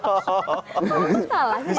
kamu salah nih